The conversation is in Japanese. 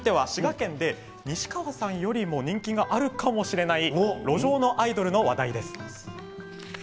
西川さんよりも人気があるかもしれない路上のアイドルの話題です。